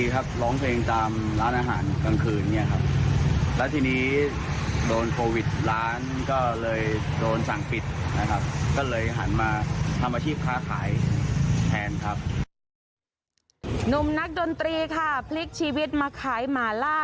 หนุ่มนักดนตรีค่ะพลิกชีวิตมาขายหมาล่า